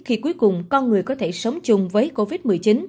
khi cuối cùng con người có thể sống chung với covid một mươi chín